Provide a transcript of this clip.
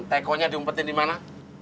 tekonya di umpetin dimana